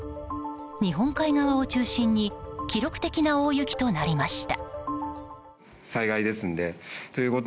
日本海側を中心に記録的な大雪となりました。